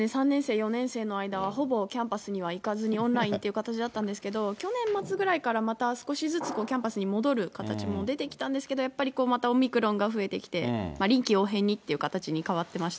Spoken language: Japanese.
３年生、４年生の間は、ほぼキャンパスには行かずにオンラインという形だったんですけど、去年末からキャンパスに戻る形も出てきたんですけど、やっぱりまたオミクロンが増えてきて、臨機応変にという形に変わ